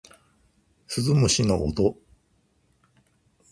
鈴虫の音